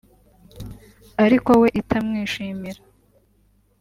ariko we itamwishimira